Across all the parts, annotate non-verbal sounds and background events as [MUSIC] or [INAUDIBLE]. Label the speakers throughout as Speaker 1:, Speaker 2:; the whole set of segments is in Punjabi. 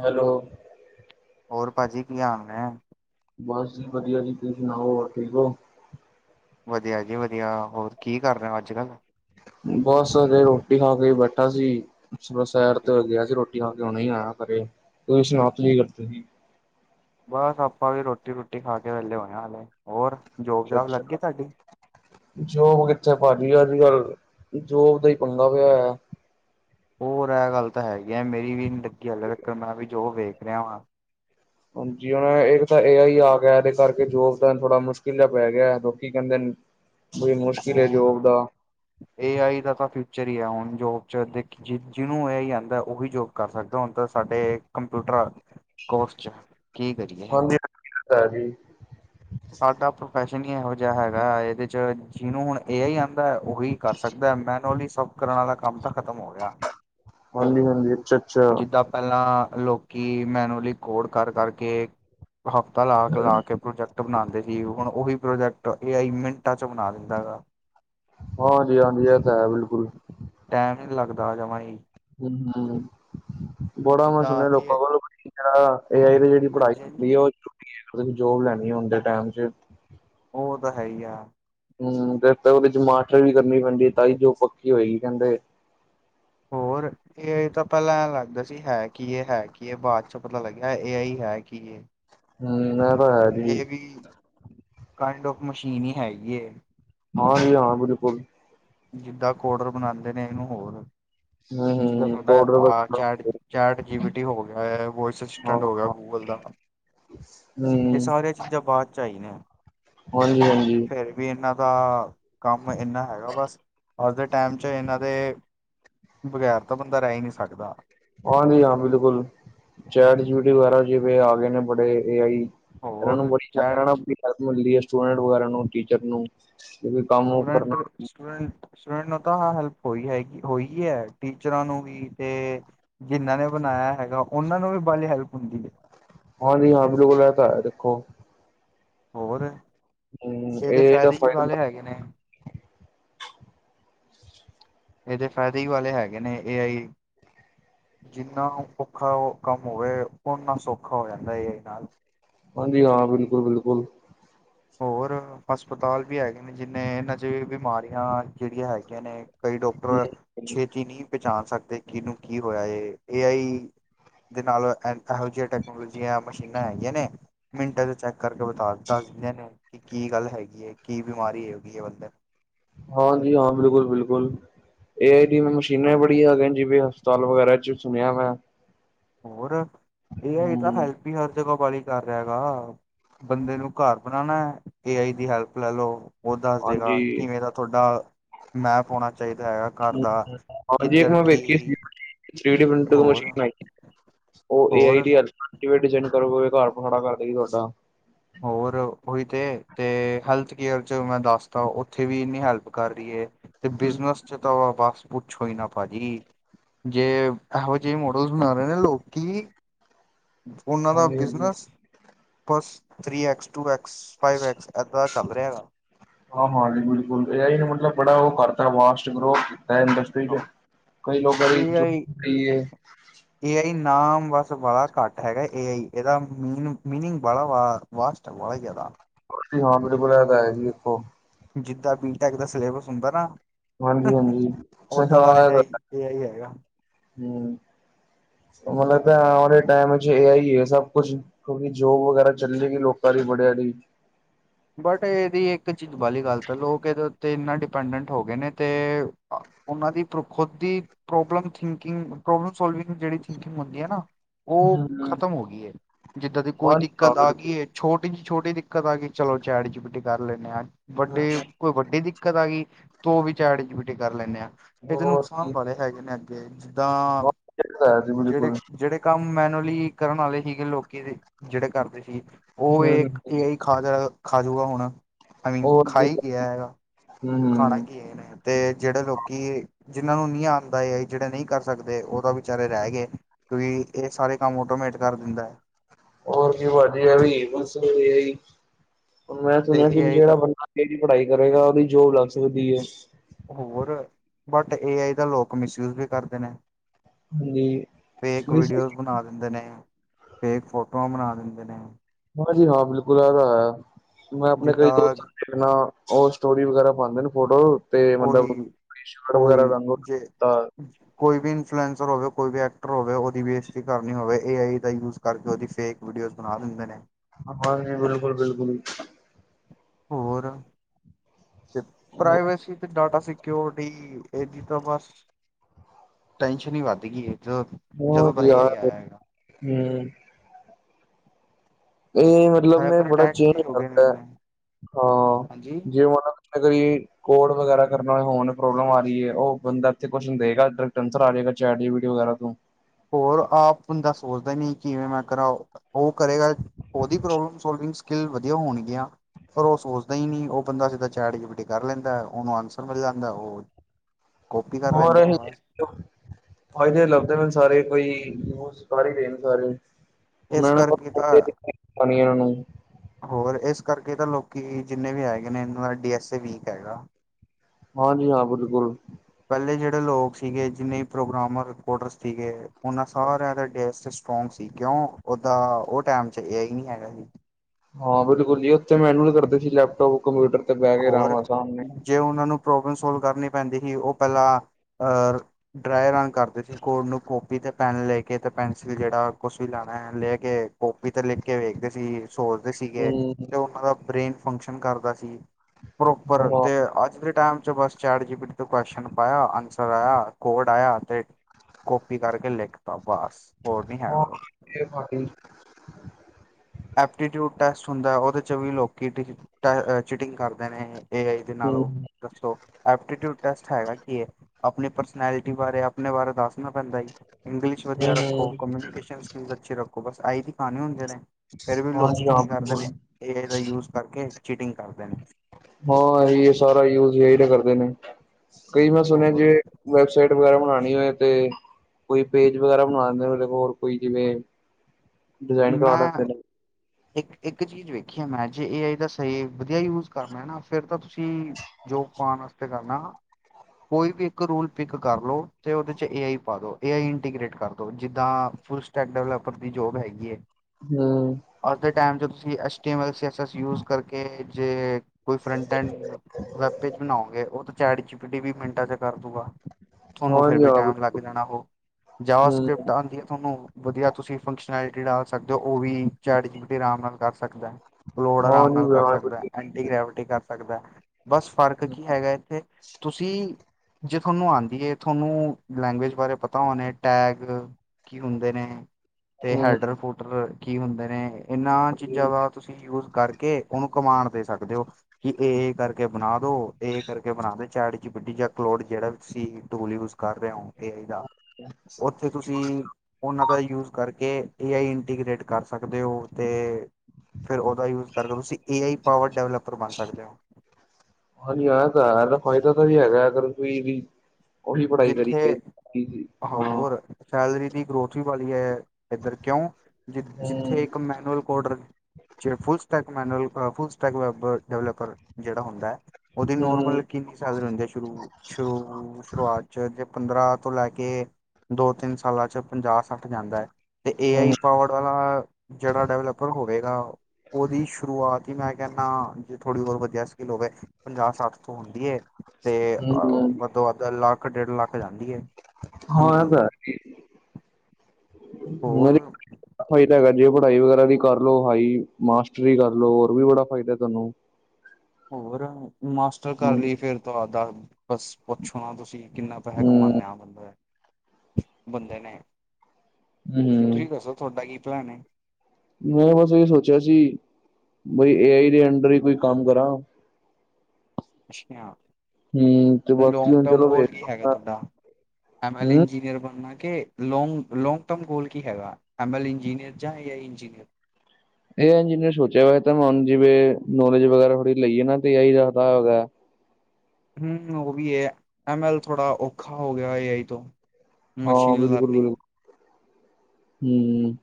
Speaker 1: ਹੈਲੋ।
Speaker 2: ਹੋਰ ਭਾਅ ਜੀ ਕੀ ਹਾਲ਼ ਨੇ।
Speaker 1: ਬਸ ਜੀ ਵਧੀਆ ਜੀ ਤੁਸੀਂ ਸੁਣਾਓ ਹੋਰ ਠੀਕ ਹੋ।
Speaker 2: ਵਧੀਆ ਜੀ ਵਧੀਆ ਹੋਰ ਕੀ ਕਰ ਰਿਹੇ ਹੋ ਅੱਜ ਕੱਲ੍ਹ।
Speaker 1: ਬਸ ਹਜੇ ਰੋਟੀ ਖਾ ਕੇ ਬੈਠਾ ਸੀ ਸੈਰ ਤੇ
Speaker 2: ਹਾਂਜੀ।
Speaker 1: ਗਿਆ ਸੀ ਰੋਟੀ ਰੋਟੀ ਖਾ ਕੇ ਹੁਣੀ ਆਇਆ ਘਰੇ ਤੁਸੀਂ ਸਣਾਉ ਤੁਸੀ ਕੀ ਕਰਦੇ ਸੀ।
Speaker 2: ਬਸ ਆਪਾਂ ਵੀ ਰੋਟੀ-ਰੂਟੀ ਖਾ ਕੇ ਵਿਹਲੇ ਹੋਏ ਆ ਹਾਲੇ ਹੋਰ ਜੋਬ ਜਾਬ ਲੱਗ ਗਈ ਤੁਹਾਡੀ
Speaker 1: ਜੋਬ ਕਿੱਥੇ ਭਾਜੀ ਅੱਜ-ਕੱਲ ਜੋਬ ਦਾ ਹੀ ਪੰਗਾ ਪਿਆ ਹੋਇਆ।
Speaker 2: ਹੋਰ ਐ ਗੱਲ ਤਾਂ ਹੈਗੀ ਆ। ਮੇਰੀ ਵੀ ਲੱਗੀ ਹਲੇ ਤੱਕ ਮੈਂ ਵੀ ਜੋਬ ਵੇਖ ਰਿਹਾ ਵਾਂ।
Speaker 1: ਹਾਂਜੀ ਹੁਣ ਇੱਕ ਤਾਂ ਏ ਆਈ ਆ ਗਿਆ। ਇਹਦੇ ਕਰਕੇ ਜੋਬ ਤਾਂ ਥੋੜਾ ਮੁਸ਼ਕਿਲ ਜਾ ਪੈ ਗਿਆ। ਲੋਕੀ ਕਹਿੰਦੇ
Speaker 2: [INAUDIBLE]
Speaker 1: ਬਈ ਮੁਸ਼ਕਿਲ ਏ
Speaker 2: ਹੋਰ
Speaker 1: ਜੋਬ ਦਾ
Speaker 2: ਏ ਆਈ ਦਾ ਤਾਂ ਫਿਊਚਰ ਹੀ ਆ ਹੁਣ ਜੋਬ ਚ ਦੇਖ ਜਿ ਜਿਹਨੂੰ ਇਹਹੀ ਆਂਦਾ। ਉਹੀ ਜੋਬ ਕਰ ਸਕਦਾ ਹੁਣ ਤਾਂ ਸਾਡੇ ਕੰਪਿਊਟਰ ਕੋਰਸ ਚ ਕੀ ਕਰੀਏ?
Speaker 1: ਹਾਂਜੀ [UNINTELLIGIBLE] ਹੈ ਜੀ
Speaker 2: ਸਾਡਾ ਪ੍ਰੋਫੈਸ਼ਨ ਹੀ ਇਹੋ ਜਿਹਾ ਹੈਗਾ। ਇਹਦੇ ਚ ਜਿਹਨੂੰ ਹੁਣ ਏ ਆਈ ਆਂਦਾ ਉਹੀ ਕਰ ਸਕਦਾ ਮੈਨੂੰਅਲੀ ਸਭ ਕਰਨ ਆਲਾ ਕੰਮ ਤਾਂ ਖ਼ਤਮ ਹੋਗਿਆ।
Speaker 1: ਹਾਂਜੀ-ਹਾਂਜੀ ਅੱਛਾ ਅੱਛਾ
Speaker 2: ਜਿੱਦਾਂ ਪਹਿਲਾਂ ਲੋਕੀ ਮੈਨੂੰਅਲੀ ਕੋੋਡ ਕਰ-ਕਰ ਕੇ ਹਫ਼ਤਾ ਲੌਕ ਲਾ ਕੇ ਪ੍ਰੋਜੈਕਟ ਬਣਾਉਂਦੇ ਸੀ ਹੁਣ ਉਹੀ ਪ੍ਰੋਜੈਕਟ ਏ ਆਈ ਮਿੰਟਾਂ ਚੋਂ ਬਣਾ ਦਿੰਦਾ ਗਾ।
Speaker 1: ਹਾਂਜੀ-ਹਾਂਜੀ ਐ ਤਾਂ ਹੈ ਬਿਲਕੁਲ
Speaker 2: ਟਾਈਮ ਨੀ ਲੱਗਦਾ ਜਮਾਂ ਜੀ
Speaker 1: [UNINTELLIGIBLE] ਬੜਾ ਮੈਂ
Speaker 2: ਜਿੱਦਾਂ
Speaker 1: ਸੁਣਿਆ
Speaker 2: ਇਹ
Speaker 1: ਲੋਕਾਂ ਕੋਲ ਬਈ ਜਿਹੜਾ ਏ ਆਈ
Speaker 2: ਹਾਂਜੀ
Speaker 1: ਜਿਹੜੀ ਪੜ੍ਹਾਈ
Speaker 2: ਹਾਂਜੀ
Speaker 1: ਹੁੰਦੀ
Speaker 2: ਹਾਂਜੀ
Speaker 1: ਆ। ਉਹ ਜੋਬ ਲੈਣੀ ਹੁਣ ਦੇ ਟਾਈਮ 'ਚ'
Speaker 2: ਉਹ ਤਾਂ ਹੈ ਹੀ ਆ।
Speaker 1: ਹਮ ਤੇ ਉਹਦੇ ਚ ਮਾਸਟਰ ਵੀ ਕਰਨੀ ਪੈਂਦੀ ਏ। ਤਾਈ ਜੋਬ ਪੱਕੀ ਹੋਏਗੀ ਕਹਿੰਦੇ।
Speaker 2: ਹੋਰ। ਏ ਤਾਂ ਪਹਿਲਾਂ ਐ ਲੱਗਦਾ ਸੀ। ਹੈ ਕੀ- ਐ ਹੈ ਕੀ ਇਹ ਬਾਅਦ ਚ ਪਤਾ ਲੱਗਿਆ ਏ ਆਈ ਹੈ ਕੀ ਏ।
Speaker 1: ਹਮ ਇਹ ਤਾਂ ਹੈ। ਜੀ
Speaker 2: ਇਹ ਵੀ ਕਾਇਡ ਔਫ ਮਸ਼ੀਨ ਹੀ ਹੈਗੀ ਏ।
Speaker 1: ਹਾਂਜੀ ਹਾਂ ਬਿਲਕੁਲ
Speaker 2: ਜਿੱਦਾਂ ਕੋਡਰ ਬਣਾਂਦੇ ਨੇ। ਇਹਨੂੰ ਹੋਰ
Speaker 1: [INAUDIBLE]
Speaker 2: ਜਿੱਦਾਂ
Speaker 1: ਕੋਡਰ
Speaker 2: ਸਾਡਾ
Speaker 1: ਵਗੈਰਾ
Speaker 2: ਚੈਟ ਜੀ ਬੀ ਟੀ ਗਿਆ। ਵੋਇਸ
Speaker 1: ਹਾਂ
Speaker 2: ਅਸਿਸਟੈਂਟ ਹੋ ਗਿਆ
Speaker 1: ਹਾਂ
Speaker 2: ਗੂਗਲ ਦਾ [INAUDIBLE] ਇਹ
Speaker 1: ਹਮ।
Speaker 2: ਸਾਰੀਆਂ ਚੀਜ਼ਾਂ ਬਾਅਦ ਚ ਆਈ ਨੇ
Speaker 1: ਹਾਂਜੀ-ਹਾਂਜੀ।
Speaker 2: ਫਿਰ ਵੀ ਇਹਨਾਂ ਦਾ ਕੰਮ ਇੰਨਾ ਹੈਗਾ। ਬਸ ਅੱਜ ਦੇ ਟਾਈਮ 'ਚ' ਇਹਨਾਂ ਦੇ ਬਗੈਰ ਤਾਂ ਬੰਦਾ ਰਹਿ ਹੀ ਨਹੀਂ ਸਕਦਾ।
Speaker 1: ਹਾਂਜੀ ਹਾਂ ਬਿਲਕੁਲ ਚੈਟ ਜੀ ਬੀ ਵਗੈਰਾ ਜਿਵੇ ਆ ਗਏ ਨੇ ਬੜੇ ਏ ਆਈ ਇਹਨਾ ਨੂੰ
Speaker 2: ਹੋਰ
Speaker 1: [UNINTELLIGIBLE]
Speaker 2: ਚੈਟ
Speaker 1: ਹੈਲਪ ਮਿਲਦੀ ਏ ਸਟੂਡੈਂਟ ਵਗੈਰਾ ਨੂੰ ਟੀਚਰ ਨੂੰ ਇਹ ਵੀ ਕੰਮ
Speaker 2: ਸਟੂਡੈਂਟ
Speaker 1: ਕਰਨਾ
Speaker 2: ਸਟੂਡੈਂਟ ਸਟੂਡੈਂਟ ਨੂੰ ਤਾਂ ਹੈਲਪ ਹੋਈ ਹੈਗੀ ਹੋਈ ਐ। ਟੀਚਰਾਂ ਨੂੰ ਵੀ ਤੇ ਜਿੰਨਾਂ ਨੇ ਬਣਾਇਆ ਹੈਗਾ। ਉਹਨਾਂ ਨੂੰ ਵੀ ਵਾਲੀ ਹੈਲਪ ਹੁੰਦੀ ਏ।
Speaker 1: ਹਾਂਜੀ ਹਾਂ ਬਿਲਕੁਲ ਐ ਤਾਂ ਹੈ ਦੇਖੋ।
Speaker 2: ਹੋਰ,
Speaker 1: ਹੂੰ
Speaker 2: ਇਹਦੇ
Speaker 1: ਇਹ ਦਾ
Speaker 2: ਫਾਇਦੇ ਹੀ ਵਾਲੇ
Speaker 1: ਫਾਇਦਾ
Speaker 2: ਹੈਗੇ ਨੇ। ਇਹਦੇ ਫਾਇਦੇ ਹੀ ਵਾਲੇ ਹੈਗੇ ਨੇ ਏ ਆਈ ਜਿੰਨਾ ਔਖਾ ਉਹ ਕੰਮ ਹੋਵੇ। ਉਨਾ ਸੌਖਾ ਹੋ ਜਾਂਦਾ ਏ ਆਈ ਨਾਲ
Speaker 1: ਹਾਂਜੀ ਹਾਂ ਬਿਲਕੁਲ-ਬਿਲਕੁਲ।
Speaker 2: ਹੋਰ ਹਸਪਤਾਲ ਵੀ ਹੈਗੇ ਨੇ‌। ਜਿੰਨੇ ਇਹਨਾਂ 'ਚ ਬਿਮਾਰੀਆਂ ਜਿਹੜੀਆਂ ਹੈਗੀਆ ਨੇ। ਕਈ ਡਾਕਟਰ ਛੇਤੀ ਨਹੀਂ ਪਹਿਚਾਣ ਸਕਦੇ, ਕਿਨੂੰ ਕੀ ਹੋਇਆ ਹੈ। ਏ ਆਈ ਦੇ ਨਾਲ ਇ ਇਹੋ ਜਿਹੀਆਂ ਟੈਕਨੋਲੋਜੀਆਂ ਮਸ਼ੀਨਾਂ ਹੈਗੀਆਂ ਨੇ। ਮਿੰਟਾਂ 'ਚ ਚੈੱਕ ਕਰਕੇ ਬਤਾ ਦੱਸ ਦਿੰਦੇ ਨੇ, ਕਿ ਕੀ ਗੱਲ ਹੈਗੀ ਹੈ ਕੀ ਬਿਮਾਰੀ ਹੈਗੀ ਹੈ ਬੰਦੇ ਨੂੰ।
Speaker 1: ਹਾਂ ਜੀ ਹਾਂ, ਬਿਲਕੁਲ-ਬਿਲਕੁਲ। [UNINTELLIGIBLE]
Speaker 2: ਨੂੰ
Speaker 1: ਮਸ਼ੀਨਾਂ ਬੜੀਆਂ ਆ ਗਈਆ ਨੇ, ਜਿਵੇਂ ਹਸਪਤਾਲ ਵਗੈਰਾ 'ਚ ਸੁਣਿਆ ਮੈਂ।
Speaker 2: ਹੋਰ, ਇਹ ਹੈਗੀ ਤਾਂ
Speaker 1: ਹੂੰ
Speaker 2: ਹੈਲਪ ਵੀ ਹਰ ਜਗ੍ਹਾ ਵਾਲੀ ਕਰ ਰਿਹਾ ਹੈਗਾ। ਬੰਦੇ ਨੂੰ ਘਰ ਬਣਾਂਣਾ ਏ ਆਈ ਦੀ ਹੈਲਪ ਲੈ ਲੋ। ਉਹ ਦੱਸ ਦੇਗਾ,
Speaker 1: ਹਾਂਜੀ
Speaker 2: ਕਿਵੇਂ ਦਾ ਥੋਡਾ ਮੈਪ ਹੋਣਾ ਚਾਹੀਦਾ ਹੈਗਾ ਘਰ ਦਾ।
Speaker 1: ਹਾਂਜੀ, ਇੱਕ
Speaker 2: ਕਿੱਧਰ
Speaker 1: ਮੈਂ ਵੇਖੀ
Speaker 2: ਕੀ
Speaker 1: ਸੀ। [UNINTELLIGIBLE] ਕਿਵੇ ਡਿਜਾਇਨ ਕਰੋਗੇ,
Speaker 2: ਹੋਰ ਹੋਰ
Speaker 1: ਉਹ ਘਰ ਪੜਾ [UNINTELLIGIBLE] ਤੁਹਾਡਾ
Speaker 2: ਹੋਰ ਉਹੀ ਤੇ, ਤੇ ਹੈਲਥ ਕੇਅਰ 'ਚ ਮੈਂ ਦੱਸਤਾ। ਉੱਥੇ ਵੀ ਹੈਲਪ ਕਰ ਰਹੀ ਹੈ ਤੇ ਬਿਜਨਸ 'ਚ ਤਾਂ ਉਹ ਬਸ ਪੁੱਛੋ ਹੀ ਨਾ ਭਾਜੀ, ਜੇ ਇਹੋ ਜਿਹੇ ਮੋਡਲ ਬਣਾ ਰਹੇ ਨੇ ਲੋਕੀ ਉਹਨਾਂ ਦਾ
Speaker 1: ਹਾਂਜੀ-ਹਾਂਜੀ
Speaker 2: ਬਿਜਨਸ ਬਸ three X two X, five X ਏਦਾਂ ਚੱਲ ਰਿਹਾ ਹੈਗਾ।
Speaker 1: ਹਾਂ-ਹਾਂ ਜੀ ਬਿਲਕੁਲ, ਏ ਆਈ ਨੇ ਮਤਲਬ ਬੜਾ ਉਹ ਕਰਤਾ ਫਾਸਟ ਗਰੋ ਕੀਤਾ। ਇੰ
Speaker 2: ਏ ਆਈ
Speaker 1: [UNINTELLIGIBLE]
Speaker 2: ਏ ਆਈ ਨਾਮ ਬਸ ਵਾਲਾ ਘੱਟ ਹੈਗਾ ਏ ਆਈ। ਇਹਦਾ ਮੀਨ ਮੀਨਿੰਗ ਬਾਲਾ ਵ ਵਾਸਟ [UNINTELLIGIBLE]
Speaker 1: [UNINTELLIGIBLE]
Speaker 2: ਜਿੱਦਾਂ ਬੀ-ਟੈਕ ਦਾ ਸਿਲੇਬਸ ਹੁੰਦਾ ਨਾ।
Speaker 1: ਹਾਂਜੀ-ਹਾਂਜੀ
Speaker 2: ਓਦਾਂ ਦਾ ਇਹ ਏ ਆਈ ਹੈਗਾ
Speaker 1: [UNINTELLIGIBLE] ਹਮ ਮਤਲਵ ਤੇ ਆਉਣ ਵਾਲੇ ਟਾਈਮ 'ਚ ਏ ਆਈ ਏ ਸਭ ਕੁਛ। ਕਿਉਂਕਿ ਜੋਬ ਵਗੈਰਾ ਚੱਲੇਗੀ ਲੋਕਾਂ ਦੀ ਬੜਿਆਂ ਦੀ।
Speaker 2: ਬਟ ਇਹਦੀ ਇੱਕ ਚੀਜ਼ ਵਾਲੀ ਗੱਲਤ ਐ। ਲੋਕ ਇਹਦੇ ਉੱਤੇ ਇੰਨਾ ਡਿਪੈਂਡੈਂਟ ਹੋ ਗਏ ਨੇ। ਤੇ ਉਹਨਾਂ ਦੀ ਖੁਦ ਦੀ ਪ੍ਰੋਬਲਿਮ ਥਿੰਕਕਿੰਗ ਪ੍ਰੋਬ ਸੋਲਵਿੰਗ ਜਿਹੜੀ ਥਿੰਕਕਿੰਗ ਹੁੰਦੀ ਐ ਨਾ। ਉਹ ਖਤਮ ਹੋ ਗਈ ਐ। ਜਿੱਦਾਂ ਦੀ ਕੋਈ
Speaker 1: ਹੋਰ ਕੀ
Speaker 2: ਦਿੱਕਤ ਆ
Speaker 1: ਬਿਲਕੁਲ
Speaker 2: ਗਈ ਐ, ਛੋਟੀ ਜਿਹੀ ਛੋਟੀ ਦਿੱਕਤ ਆ ਗਈ। ਚਲੋ ਚੈਟ ਜੀ ਬੀ ਟੀ ਕਰ ਲੈਣੇ ਹਾਂ। ਵੱਡੇ ਕੋਈ ਵੱਡੀ ਦਿੱਕਤ ਆ ਗਈ ਤੋ ਉਹ ਵੀ ਚੈਟ ਜੀ ਪੀ ਟੀ ਕਰ ਲੈਂਣੇ ਆਂ। ਇਹਦੇ
Speaker 1: ਹੋਰ
Speaker 2: ਨੁਕਸਾਨ
Speaker 1: ਕੀ
Speaker 2: ਵਾਲੇ ਹੈਗੇ ਨੇ ਅੱਗੇ। ਜਿੱਦਾਂ
Speaker 1: ਹੂੰ
Speaker 2: ਜਿਹੜੇ ਜਿਹੜੇ ਕੰਮ ਮੈਨੂਅਲੀ ਕਰਨ ਵਾਲੇ ਸੀਗੇ ਲੋਕੀ ਦੇ ਜਿਹੜੇ ਕਰਦੇ ਸੀਗੇ। ਉਹ ਏਕ ਏ ਆਈ ਖਾ ਜਾ ਖਾਜੂਗਾ ਹੁਣ ਆਈਮੀਨ ਖਾ ਹੀ ਗਿਆ ਹੈਗਾ।
Speaker 1: ਹਮ
Speaker 2: ਖਾਣਾ ਕੀ ਇਹਨੇ ਤੇ ਜਿਹੜੇ ਲੋਕੀ ਜਿਹਨਾਂ ਨੂੰ ਨਹੀਂ ਆਂਦਾ ਏ ਆਈ। ਜਿਹੜੇ ਨਹੀਂ ਕਰ ਸਕਦੇ। ਉਹਦਾ ਵੀ ਵਿਚਾਰੇ ਰਹਿ ਗਏ। ਕਿਉਕਿ ਇਹ ਸਾਰੇ ਕੰਮ ਆਟੋਮੇਟਿਕ ਕਰ ਦਿੰਦਾ ਐ।
Speaker 1: ਹੋਰ ਕੀ ਵਧੀਆ ਵੀ। ਬਸ ਏ ਆਈ ਹੁਣ ਮੈਂ
Speaker 2: ਤੇ
Speaker 1: ਸੁਣਿਆ
Speaker 2: ਏ
Speaker 1: ਸੀ ਵੀ
Speaker 2: ਆਈ
Speaker 1: ਜਿਹੜਾ
Speaker 2: ਦਾ
Speaker 1: ਬੰਦਾ ਇਹਦੀ ਪੜ੍ਹਾਈ ਕਰੇਗਾ। ਉਹਦੀ ਜੋਬ ਲੱਗ ਸਕਦੀ ਐ।
Speaker 2: ਹੋਰ ਬਟ ਏ ਆਈ ਦਾ ਲੋਕ ਮਿਸਯੂਜ ਵੀ ਕਰਦੇ ਨੇ।
Speaker 1: ਹਾਂਜੀ
Speaker 2: ਫੇਕ ਵੀਡੀਓਜ਼ ਬਣਾ ਦਿੰਦੇ ਨੇ। ਫੇਕ ਫੋਟੋਆਂ ਬਣਾ ਦਿੰਦੇ ਨੇ।
Speaker 1: ਹਾਂਜੀ ਹਾਂ ਬਿਲਕੁਲ ਇਹ ਤੇ ਐ। ਮੈਂ ਆਪਣੇ ਕਈ
Speaker 2: ਜਿੱਦਾਂ
Speaker 1: ਦੋਸਤ ਇਕ ਨਾ ਉਹ ਸਟੋਰੀ ਵਗੈਰਾ ਪਾਂਦੇ ਨੇ। ਫੋਟੋ ਤੇ ਮਤਲਬ
Speaker 2: ਉਹੀ ਉਹੀ ਜੇ
Speaker 1: [UNINTELLIGIBLE]
Speaker 2: ਕੋਈ ਵੀ ਇਨਫਲਐਸਰ ਹੋਵੇ, ਕੋਈ ਵੀ ਐਕਟਰ ਹੋਵੇ, ਉਹਦੀ ਬੇਜਤੀ ਕਰਨੀ ਹੋਵੇ। ਏ ਆਈ ਦਾ ਯੂਜ ਕਰਕੇ ਉਹਦੀ ਫੇਕ ਵੀਡੀਓਜ਼ ਬਣਾ ਦਿੰਦੇ ਨੇ।
Speaker 1: ਹਾਂਜੀ, ਬਿਲਕੁਲ-ਬਿਲਕੁਲ ਜੀ।
Speaker 2: ਹੋਰ, ਪ੍ਰਾਈਵੇਸੀ ਤੇ ਡਾਟਾ ਅਸੀ ਸਕਿਓਰਟੀ ਇਹਦੀ ਤਾਂ ਬਸ ਟੈਨਸ਼ਨ ਹੀ ਵੱਧ ਗਈ ਐ। ਜਦੋ
Speaker 1: ਬਹੁਤ
Speaker 2: ਦਾ ਏ ਆਈ
Speaker 1: ਯਾਰ
Speaker 2: ਆਇਆ ਗਾ।
Speaker 1: ਹਮ ਇਹ ਮਤਲਬ ਨੇ
Speaker 2: ਸਾਈਬਰ
Speaker 1: ਬੜਾ
Speaker 2: ਅਟੈਕਸ
Speaker 1: ਚੇਂਜ
Speaker 2: ਹੀ ਹੋ ਗਏ ਨੇ
Speaker 1: ਕਰਦਾ
Speaker 2: ਇਨੇ
Speaker 1: ਆ।
Speaker 2: ਹਾਂਜੀ
Speaker 1: ਜੇ ਮਤਲਬ ਅਗਲੀ ਕਾਲ ਵਗੈਰਾ ਕਰਨਾ ਹੋਵੇ ਫੋਨ ਮੇਂ ਪ੍ਰੋਬਲਮ ਆ ਰਹੀ ਐ। ਉਹ ਬੰਦਾ ਇੱਥੇ ਕੁਛ ਨੀ ਦੇਗਾ [UNINTELLIGIBLE] ਜਾਵੇਗਾ। ਚੈਟ ਜੀ ਪੀ ਟੀ ਵਗੈਰਾ ਤੋ।
Speaker 2: ਹੋਰ ਆਪ ਬੰਦਾ ਸੋਚਦਾ ਨੀ ਵੀ ਕਿਵੇਂ ਮੈਂ ਕਰਾ ਓ। ਉਹ ਕਰੇਗਾ ਉਹਦੀ ਪ੍ਰੋਬਲਮ ਸੋਲਵਿੰਗ ਸਕਿੱਲ ਵਧੀਆ ਹੋਣਗੀਆਂ। ਪਰ ਉਹ ਸੋਚਦਾ ਹੀ ਨੀ ਉਹ ਬੰਦਾ ਸਿੱਧਾ ਚੈਟ ਜੀ ਪੀ ਟੀ ਕਰ ਲੈਂਦਾ। ਉਹਨੂੰ ਆਂਸਰ ਮਿਲ ਜਾਂਦਾ। ਉਹ ਕਾਪੀ ਕਰ
Speaker 1: ਮੋਹਰੇ
Speaker 2: ਲੈਂਦਾ ਵਾ
Speaker 1: ਸੀ ਉੱਥੇ। ਫਾਇਦੇ ਲੱਭਦੇ ਨੇ ਸਾਰੇ ਬਈ ਮੈਨੂੰ ਸਾਰੇ ਕੋਈ ਕਰ ਹੀ ਰਹੇ।
Speaker 2: ਇਸ
Speaker 1: ਉਹਨਾਂ
Speaker 2: ਕਰਕੇ ਤਾਂ
Speaker 1: ਪਾਣੀ ਉਹਨਾਂ ਨੂੰ [UNINTELLIGIBLE]
Speaker 2: ਹੋਰ ਇਸ ਕਰਕੇ ਤਾਂ ਲੋਕ ਜਿੰਨੇ ਵੀ ਹੈਗੇ ਨੇ ਇਹਨਾਂ ਦਾ ਡੀ ਐੱਸ ਏ ਵੀਕ ਹੈਗਾ।
Speaker 1: ਬਸ ਵਧੀਆ ਬਿਲਕੁਲ।
Speaker 2: ਪਹਿਲੇ ਜਿਹੜੇ ਲੋਕ ਸੀਗੇ ਜਿੰਨੇ ਪ੍ਰੋਗਰਾਮਰ, ਰਿਪੋਰਟਰ ਸੀਗੇ। ਉਹਨਾਂ ਸਾਰਿਆਂ ਦਾ ਡੇਸਟ ਸਟਰੋਂਗ ਸੀ ਕਿਉਂ ਓਦਾਂ ਉਹ ਟਾਈਮ ਚ ਏ ਆਈ ਨਹੀਂ ਹੈਗਾ ਸੀ।
Speaker 1: ਹਾਂ, ਬਿਲਕੁਲ ਜੀ ਉੱਥੇ ਮੈਨੂਅਲ ਕਰਦੇ ਸੀ ਲੈਪਟੋਪ, ਕੰਪਿਊਟਰ। ਤੇ ਬਹਿ ਕੇ ਆਰਾਮ
Speaker 2: ਹੋਰ,
Speaker 1: ਨਾਲ ਸਾਹਮਣੇ
Speaker 2: ਜੇ ਉਹਨਾਂ ਨੂੰ ਪ੍ਰੋਬਲਮ ਸੋਲਵ ਕਰਨੀ ਪੈਂਦੀ ਸੀ ਉਹ ਪਹਿਲਾਂ ਅਹ ਡਰਾਇੰਗ ਕਰਦੇ ਸੀ ਕੋਡ ਨੂੰ ਕਾਪੀ ਤੇ ਪੈਨ ਲੈ ਕੇ ਅਤੇ ਪੈਨਸਿਲ ਜਿਹੜਾ ਕੁਛ ਵੀ ਲੈਣਾ ਹੈ ਲੈ ਕੇ ਕਾਪੀ ਤੇ ਲਿਖ ਕੇ ਵੇਖਦੇ ਸੀ, ਸੋਚਦੇ ਸੀਗੇ
Speaker 1: ਹੂੰ
Speaker 2: ਫੇਰ ਉਹਨਾਂ ਦਾ ਬ੍ਰੇਨ ਫੰਕਸ਼ਨ ਕਰਦਾ ਸੀ।
Speaker 1: ਹਾਂ
Speaker 2: ਪ੍ਰੋਪਰ
Speaker 1: ਹੂੰ
Speaker 2: ਤੇ [UNINTELLIGIBLE] ਅੱਜ ਦੇ ਟਾਇਮ ਚ ਬਸ ਚੈਟ ਜੀ ਪੀਟੀ ਤੇ ਕੁਐਸ਼ਚਨ ਪਾਇਆ ਆਂਸਰ ਆਇਆ, ਕੋਡ ਆਇਆ ਤੇ ਕੌਪੀ ਕਰਕੇ ਲਿਖਤਾ ਬਸ, ਹੋਰ ਨੀ ਹੈਗਾ ਕੁਛ
Speaker 1: [UNINTELLIGIBLE]
Speaker 2: ਐਪਟੀਟਿਊਡ ਟੈਸਟ ਹੁੰਦਾ ਉਹਦੇ 'ਚ ਵੀ ਲੋਕੀ ਡਿਜੀਟਲ ਚੀਟਿੰਗ ਕਰਦੇ ਨੇ ਏ ਆਈ ਦੇ ਨਾਲ ਓਹ ਦੱਸੋ ਐਪਟੀਟਿਊਡ ਟੈਸਟ ਹੈਗਾ ਕੀ ਹੈ। ਆਪਣੀ ਪਰਸਨੈਲਿਟੀ ਬਾਰੇ ਆਪਣੇ ਬਾਰੇ ਦੱਸਣਾ ਪੈਂਦਾ ਜੀ। ਇੰਗਲਿਸ਼ ਵਧੀਆ ਰੱਖੋ, ਕਮਿਊਨੀਕੇਸ਼ਨ ਸਕਿਲ ਅੱਛੇ ਰੱਖੋ ਬਸ ਆਈ ਦਿਖਾਉਣੇ ਹੁੰਦੇ ਨੇ। ਫਿਰ ਵੀ ਲੋਕੀ
Speaker 1: ਹਾਂਜੀ ਹਾਂ
Speaker 2: ਕੀ ਕਰਦੇ
Speaker 1: ਬਿਲਕੁਲ
Speaker 2: ਨੇ, ਏ ਆਈ ਦਾ ਯੂਜ ਕਰਕੇ ਚੀਟਿੰਗ ਕਰਦੇ ਨੇ।
Speaker 1: ਹਾਂ ਇਹ ਸਾਰਾ ਯੂਜ ਇਹੀ ਤਾ ਕਰਦੇ ਨੇ, ਕਈ ਵਾਰ ਸੁਣਿਆ ਜੇ
Speaker 2: ਹੋਰ
Speaker 1: ਵੈਬਸਾਈਟ ਵਗੈਰਾ ਬਣਾਉਣੀ ਹੋਏ ਤੇ ਕੋਈ ਪੇਜ ਵਗੈਰਾ ਬਣਾ ਦਿੰਦੇ ਹੋਰ ਕੋਈ ਜਿਵੇਂ, ਡਿਜ਼ਾਇਨ ਕਰਵਾ
Speaker 2: ਮੈਂ
Speaker 1: ਦੇਂਦੇ ਨੇ।
Speaker 2: ਇੱਕ -ਇੱਕ ਚੀਜ਼ ਵੇਖੀਏ ਮੈਂ ਜੇ ਏ ਆਈ ਦਾ ਵਧੀਆ ਯੂਜ ਕਰਨਾ ਨਾ ਫਿਰ ਤਾਂ ਤੁਸੀਂ ਯੋਗ ਪਾਉਣ ਵਾਸਤੇ ਕਰਨਾ ਨਾ ਕੋਈ ਵੀ ਇੱਕ ਰੂਲ ਪਿਕ ਕਰ ਲੋ ਤੇ ਉਹਦੇ ਚ ਏ ਆਈ ਪਾ ਦੋ, ਏ ਆਈ ਇੰਟੀਗ੍ਰੇਟ ਕਰ ਦੋ ਜਿੱਦਾਂ ਸੈਟ ਡਿਵਲਪਰ ਦੀ ਜੋਬ ਹੈਗੀ ਏ।
Speaker 1: ਹਮ।
Speaker 2: ਅੱਜ ਦੇ ਟਾਇਮ 'ਚ ਤੁਸੀਂ H T M C S -S use ਕਰਕੇ ਜੇ ਕੋਈ ਫਰੰਟ ਐਂਡ ਵੈਬ ਪੇਜ ਬਣਾਓਗੇ ਉਹ ਤਾਂ ਚੈਟ ਜਿਪਟੀ ਵੀ ਮਿੰਟਾਂ ਚ ਕਰ ਦੂਗਾ। ਤੁਹਾਨੂੰ ਫਿਰ
Speaker 1: ਹਾਂਜੀ
Speaker 2: ਵੀ
Speaker 1: ਹਾਂ ਹੂੰ
Speaker 2: ਟਾਈਮ ਲੱਗ ਜਾਣਾ ਉਹ, ਜਾਵਾ ਸਕ੍ਰਿਪਟ ਆਉਂਦੀ ਹੈ ਤੁਹਾਨੂੰ ਵਧੀਆ ਤੁਸੀਂ ਫੰਕਸ਼ਨਲਿਟੀ ਨਾਲ ਸਕਦੇ ਹੋ ਉਹ ਵੀ ਚੈਟ ਜਿਪੀਟੀ ਆਰਾਮ ਨਾਲ ਕਰ ਸਕਦਾ ਹੈ। ਲੋੋੜ ਆਰਾਮ ਨਾਲ
Speaker 1: ਹਾਂਜੀ
Speaker 2: ਕਰ ਸਕਦਾ
Speaker 1: ਹਾਂ
Speaker 2: ਐਂਟੀ ਗ੍ਰੈਵਿਟੀ ਕਰ ਸਕਦਾ ਹੈ। ਬਸ ਫ਼ਰਕ ਕੀ ਹੈਗਾ ਇੱਥੇ ਤੁਸੀਂ, ਜੇ ਤੁਹਾਨੂੰ ਆਉਂਦੀ ਹੈ ਤੁਹਾਨੂੰ ਲੈਂਗੁਏਜ ਬਾਰੇ ਪਤਾ ਹੋਣੇ ਟੈਗ ਕੀ ਹੁੰਦੇ ਨੇ ਅਤੇ ਹੈਡਰ -ਫੂਡਰ ਕੀ ਹੁੰਦੇ ਨੇ ਇਹਨਾਂ ਚੀਜ਼ਾਂ ਦਾ, ਤੁਸੀਂ ਯੂਜ ਕਰਕੇ ਉਹਨੂੰ ਕਮਾਂਡ ਦੇ ਸਕਦੇ ਹੋ ਕਿ ਇਹ ਕਰਕੇ ਬਣਾ ਦੋ ਇਹ ਕਰਕੇ ਬਣਾ ਦੋ ਚ ਪੱਟੀ ਚੈਟ ਜਿਪੀਟੀ ਜਾਂ ਕਲੋਢ ਜਿਹੜਾ ਵੀ ਤੁਸੀਂ ਟੂਲ ਯੂਜ ਕਰ ਰਹੇਂ ਹੋ ਏ ਆਈ ਦਾ।
Speaker 1: ਅੱਛਾ।
Speaker 2: ਇੱਥੇ ਤੁਸੀਂ, ਉਹਨਾਂ ਦਾ ਯੂਜ ਕਰਕੇ ਏ ਆਈ ਇੰਟੀਗ੍ਰੇਟ ਕਰ ਸਕਦੇ ਹੋ ਤੇ ਫਿਰ ਉਹਦਾ ਯੂਜ ਕਰਕੇ ਤੁਸੀਂ ਏ ਆਈ ਪਾਵਰ ਡਿਵਲਪਰ ਬਣ ਸਕਦੇ ਹੋ।
Speaker 1: ਹਾਂਜੀ ਆਏ ਤਾਂ ਹੈਗਾ ਇਹਦਾ ਫਾਇਦਾ ਤਾਂ ਵੀ ਹੈਗਾ ਕਰ ਕੋਈ ਵੀ ਉਹੀ ਪੜ੍ਹਾਈ
Speaker 2: ਜਿੱਥੇ
Speaker 1: ਕਰੀ ਬ [INAUDIBLE] ਹਾਂ
Speaker 2: ਹੋਰ ਸੈਲਰੀ ਦੀ ਗਰੋਥ ਵੀ ਵਾਲੀ ਹੈ। ਇੱਧਰ ਕਿਉਂ ਜਿ
Speaker 1: ਹੂੰ
Speaker 2: ਜਿੱਥੇ ਇੱਕ manual coder full stack manual full stack double developer ਜਿਹੜਾ ਹੁੰਦਾ ਹੈ। ਉਹਦੇ
Speaker 1: ਹੂੰ
Speaker 2: ਨੋਰਮਲ
Speaker 1: ਹੂੰ
Speaker 2: ਕਿੰਨੀ ਸੈਲਰੁ ਹੁੰਦੀ ਸ਼ੁਰੂ-ਸ਼ੁਰੂ ਸ਼ੁਰੂਆਤ'ਚ ਜੇ ਪੰਦਰਾਂ ਤੋਂ ਲੈ ਕੇ ਦੋ ਤਿੰਨ ਸਾਲਾਂ ਚ ਪੰਜਾਹ ਸੱਠ ਜਾਂਦਾ ਹੈ। ਤੇ ਏ
Speaker 1: ਹੂੰ
Speaker 2: ਆਈ ਪਾਵਰ ਵਾਲਾ ਜਿਹੜਾ ਡਿਵਲਪਰ ਹੋਵੇਗਾ। ਉਹਦੀ ਸ਼ੁਰੂਆਤ ਹੀ ਮੈਂ ਕਹਿੰਨਾਂ ਜੇ ਥੋੜ੍ਹੀ ਬਹੁਤ ਵਧੀਆ ਸਕਿੱਲ ਹੋਵੇ। ਪੰਜਾਹ ਸੱਠ ਤੋਂ ਹੁੰਦੀ ਤੇ ਅ ਵੱਧੋ ਵੱਧ ਲੱਖ ਡੇਢ ਲੱਖ ਜਾਂਦੀ ਏ।
Speaker 1: [UNINTELLIGIBLE]
Speaker 2: ਹੋਰ
Speaker 1: ਜੇ ਕਢਾਈ ਵਗੈਰਾ ਵੀ ਕਰਲੋ, ਹਾਈ ਮਾਸਟਰੀ ਕਰ ਲਓ, ਹੋਰ ਵੀ ਬੜਾ ਫਾਇਦਾ ਤੁਹਾਨੂੰ
Speaker 2: ਹੋਰ ਮਾਸਟਰ ਕਰ
Speaker 1: ਹੂੰ
Speaker 2: ਲਈ ਫਿਰ ਤੋਂ ਆਦ ਬਸ ਪੁੱਛੋ ਨਾਂ ਤੁਸੀਂ ਕਿੰਨਾਂ ਪੈਸਾ
Speaker 1: ਹੂੰ
Speaker 2: ਕਮਾਨੇ ਏ ਆ ਬੰਦੇ ਬੰਦੇ ਨੇਂ, ਤੁਸੀਂ
Speaker 1: ਹੂੰ
Speaker 2: ਦੱਸੋ ਤੁਹਾਡਾ ਕੀ ਪਲੈਨ ਹੈ?
Speaker 1: ਮੈਂ ਬਸ ਇਹ ਸੋਚਿਆ ਸੀ, ਬਈ ਏ ਆਈ ਦੇ ਅੰਡਰ ਹੀ ਕੋਈ ਕੰਮ ਕਰਾਂ।
Speaker 2: ਅੱਛਾ।
Speaker 1: ਹੂੰ ਤੇ ਬਾਕੀ
Speaker 2: ਲੋਂਗ
Speaker 1: ਹੁਣ
Speaker 2: ਟਰਮ
Speaker 1: ਚਲੋ
Speaker 2: ਗੋਲ
Speaker 1: ਵੇਖ
Speaker 2: ਕੀ ਹੈਗਾ ਤੁਹਾਡਾ, ਐਮ ਐੱਲ
Speaker 1: ਹੂੰ
Speaker 2: ਇੰਜੀਨੀਅਰ ਬਣਨਾ ਕੇ। ਲੌਗ-ਲੌਂਗ ਟਰਮ ਗੋਲ ਕੀ ਹੈਗਾ, ਐਮ ਐੱਲ ਇੰਜੀਨੀਅਰ ਜਾਂ ਏ ਆਈ ਇੰਜੀਨੀਅਰ।
Speaker 1: ਏ ਆਈ ਇੰਨੀਅਰ ਸੋਚਿਆ ਵੈਸੇ ਤਾਂ ਮ ਜਿਵੇਂ, ਨੋਲੇਜ ਵਗੈਰਾ ਥੋੜੀ ਲਈਏ ਨਾ ਤੇ ਇਹੀ ਰੱਖਦਾ ਹੈ।
Speaker 2: ਹੂੰ, ਹੂੰ ਉਹ ਵੀ ਹੈ ਐਮ ਐਲ ਥੋੜਾ ਔਖਾ ਗਿਆ ਏ ਆਈ ਤੋਂ
Speaker 1: ਹਾਂ
Speaker 2: ਮਸ਼ੀਨ
Speaker 1: ਬਿਲਕੁਲ
Speaker 2: ਲਰਨਿੰਗ।
Speaker 1: ਬਿਲਕੁਲ ਹੂੰ।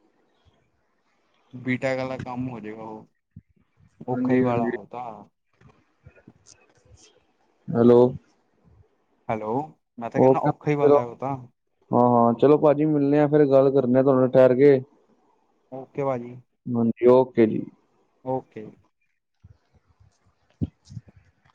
Speaker 2: ਬੀ ਟੈਕ ਵਾਲਾ ਕੰਮ ਹੋ ਜੇਗਾ ਉਹ, ਔਖਾ ਹੀ
Speaker 1: ਹਾਂਜੀ
Speaker 2: ਵਾਲਾ
Speaker 1: ਹਾਂਜੀ
Speaker 2: ਉਹ ਤਾਂ।
Speaker 1: ਹੈਲੋ।
Speaker 2: ਹੈਲੋ, ਮੈਂ ਤਾਂ ਕਹਿੰਨਾਂ
Speaker 1: ਓਕੇ
Speaker 2: ਔਖਾ ਹੀ
Speaker 1: ਚਲੋ
Speaker 2: ਬਾਲਾ ਉਹ ਤਾਂ।
Speaker 1: ਹਾਂ-ਹਾਂ ਚਲੋ ਭਾਜੀ ਮਿਲਣੇ ਹਾਂ ਫਿਰ ਗੱਲ ਕਰਨੇ ਹਾਂ ਤੁਹਾਡੇ ਨਾਲ ਠਹਿਰ ਕੇ।
Speaker 2: ਓਕੇ ਭਾਅਜੀ।
Speaker 1: ਹਾਂਜੀ ਓਕੇ ਜੀ।
Speaker 2: ਓਕੇ।
Speaker 1: [INAUDIBLE]